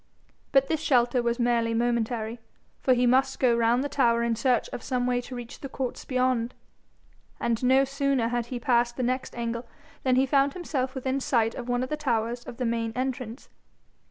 But this shelter was merely momentary, for he must go round the tower in search of some way to reach the courts beyond; and no sooner had he passed the next angle than he found himself within sight of one of the towers of the main entrance.